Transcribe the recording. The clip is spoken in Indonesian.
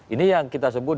ini yang kita sebut